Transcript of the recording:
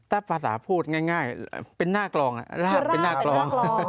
ถ้าภาษาพูดง่ายเป็นหน้ากลองเป็นหน้ากลอง